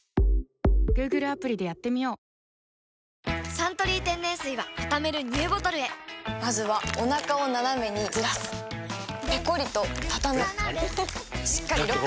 「サントリー天然水」はたためるＮＥＷボトルへまずはおなかをナナメにずらすペコリ！とたたむしっかりロック！